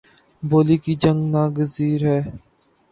بولی کی جنگ ناگزیر ہے